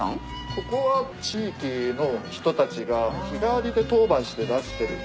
ここは地域の人たちが日替わりで当番して出してる。